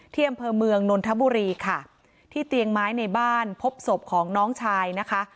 ที่อำเภอเมืองนนทบุรีค่ะที่เตียงไม้ในบ้านพบศพของน้องชายนะคะ